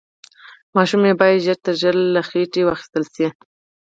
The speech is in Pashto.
ماشوم يې بايد ژر تر ژره له خېټې واخيستل شي.